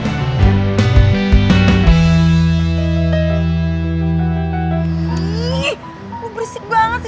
lo bersih banget sih